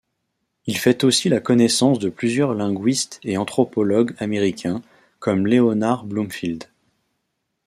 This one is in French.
Il fait aussi la connaissance de plusieurs linguistes et anthropologues américains, comme Leonard Bloomfield.